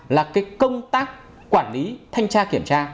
là công tác quản lý thanh tra kiểm tra